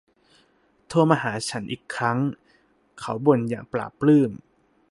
โทรหาฉันอีกครั้ง เขาบ่นอย่างปลาบปลื้ม